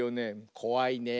こわいねえ。